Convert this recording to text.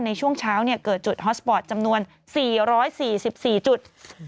ในช่วงเช้าเกิดจุดฮอสปอร์ตจำนวน๔๔จุด